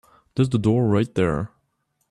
There's the door right there.